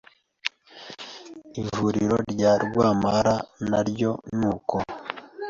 ivuriro rya Rwampara naryo nuko